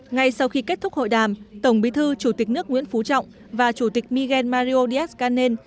ngay sau khi kết thúc hội đàm tổng bí thư chủ tịch nước nguyễn phú trọng và chủ tịch miguel mario díaz canel